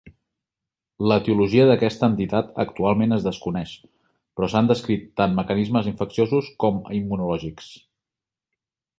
L’etiologia d’aquesta entitat actualment es desconeix, però s’han descrit tant mecanismes infecciosos com immunològics.